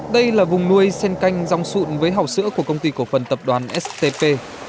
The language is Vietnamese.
đây là vùng nuôi sen canh rong sụn với hảo sữa của công ty cổ phần tập đoàn stp